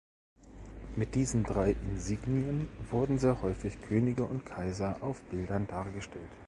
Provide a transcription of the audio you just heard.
Mit diesen drei Insignien wurden sehr häufig Könige und Kaiser auf Bildern dargestellt.